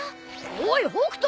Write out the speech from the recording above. おい北斗！